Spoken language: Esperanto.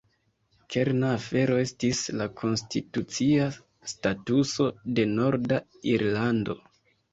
Kerna afero estis la konstitucia statuso de Norda Irlando.